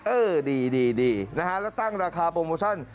เออดีนะฮะแล้วตั้งราคาโปรโมชั่น